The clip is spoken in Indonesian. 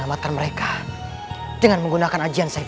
alhamdulillah aku berhasil